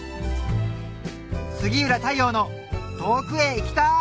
杉浦太陽の『遠くへ行きたい』